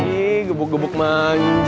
ih gebuk gebuk banget